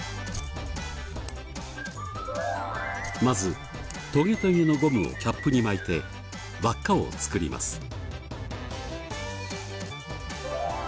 まずトゲトゲのゴムをキャップに巻いて輪っかを作ります。